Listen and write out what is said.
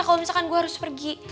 kalau misalkan gue harus pergi